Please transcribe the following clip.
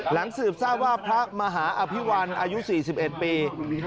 สืบทราบว่าพระมหาอภิวัลอายุ๔๑ปี